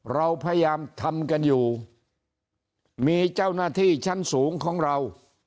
เราพยายามทำกันอยู่มีเจ้าหน้าที่ชั้นสูงของเรา